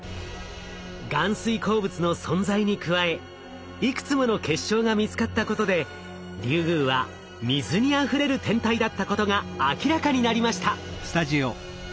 含水鉱物の存在に加えいくつもの結晶が見つかったことでリュウグウは水にあふれる天体だったことが明らかになりました。